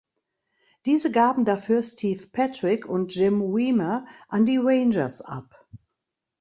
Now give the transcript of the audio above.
Diese gaben dafür Steve Patrick und Jim Wiemer an die Rangers ab.